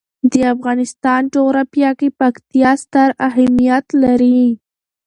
د افغانستان جغرافیه کې پکتیا ستر اهمیت لري.